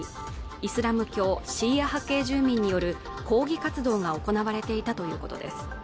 イスラム教シーア派系住民による抗議活動が行われていたということです